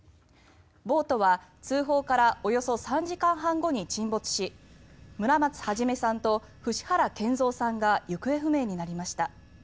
ボートは通報からおよそ３時間半後に沈没し村松孟さんと伏原賢三さんが行方不明になりました。